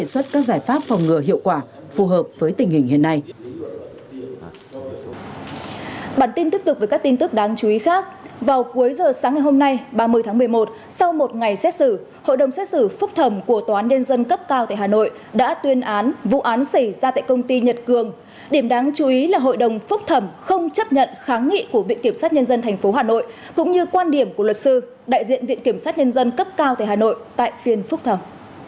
bản tin tiếp tục với các tin tức đáng chú ý khác vào cuối giờ sáng ngày hôm nay ba mươi tháng một mươi một sau một ngày xét xử hội đồng xét xử phúc thẩm của tòa án nhân dân cấp cao tại hà nội đã tuyên án vụ án xảy ra tại công ty nhật cường điểm đáng chú ý là hội đồng phúc thẩm không chấp nhận kháng nghị của viện kiểm sát nhân dân thành phố hà nội cũng như quan điểm của luật sư đại diện viện kiểm sát nhân dân cấp cao tại hà nội tại phiên phúc thẩm